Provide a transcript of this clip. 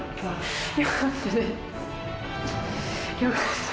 良かった。